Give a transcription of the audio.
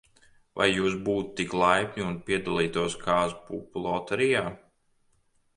Vai jūs būtu tik laipni, un piedalītos kāzu pupu loterijā?